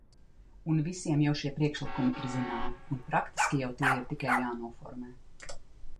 Un visiem jau šie priekšlikumi ir zināmi, un praktiski jau tie ir tikai jānoformē.